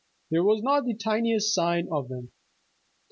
There was not the tiniest sign of them.